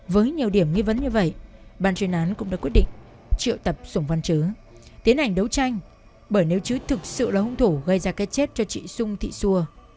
với nhiều điểm nghi vấn như vậy ban chuyên án cũng đã quyết định triệu tập sùng văn chứ tiến hành đấu tranh bởi nếu chứ thực sự là hung thủ gây ra cái chết cho chị sung thị xua